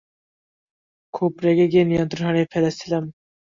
খুব রেগে গিয়ে নিয়ন্ত্রন হারিয়ে ফেলেছিলাম।